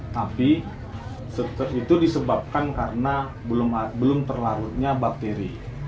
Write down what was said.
tapi itu disebabkan karena belum terlarutnya bakteri